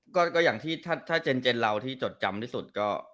ก็อย่างที่ถ้าเจนเราที่จดจำที่สุดก็